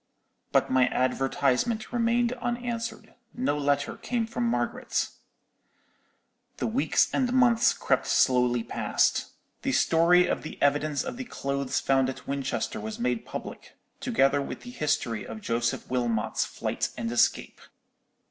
"But my advertisement remained unanswered—no letter came from Margaret. "The weeks and months crept slowly past. The story of the evidence of the clothes found at Winchester was made public, together with the history of Joseph Wilmot's flight and escape.